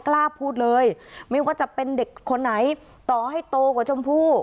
กล้าพูดเลยไม่ว่าจะเป็นเด็กคนไหนต่อให้โตกว่าชมพู่